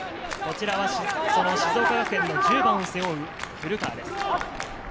こちらはその静岡学園の１０番を背負う古川です。